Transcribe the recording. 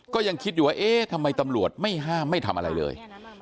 ก็ยังคิดอยู่ว่าเอ๊ะทำไมตำรวจไม่ห้ามไม่ทำอะไรเลย